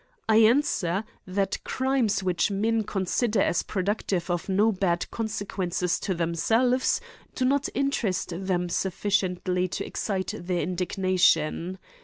I answer, that crimes which men consider as productive of no bad con sequences to themselves, do not interest them suf ficiently to excite their indignation.